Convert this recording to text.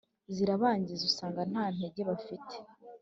Zirabangiza ugasanga nta ntege bafite